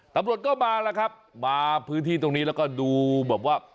ตำรวจก็มาแล้วครับมาพื้นที่ตรงนี้แล้วก็ดูแบบว่า